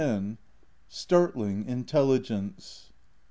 STARTLING INTELLIGENCE.